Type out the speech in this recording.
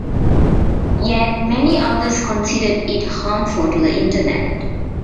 Yet many others considered it harmful to the Internet.